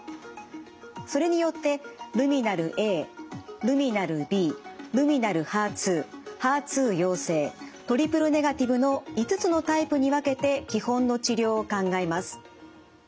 それによってルミナルＡルミナルＢルミナルＨＥＲ２ＨＥＲ２陽性トリプルネガティブの５つのタイプに分けて基本の治療を考えます。